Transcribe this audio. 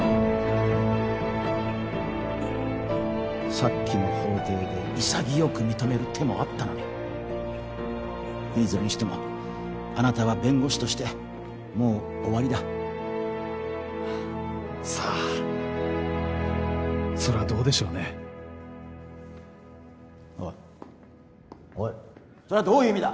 さっきの法廷で潔く認める手もあったのにいずれにしてもあなたは弁護士としてもう終わりださあそれはどうでしょうねおいおいそれはどういう意味だ？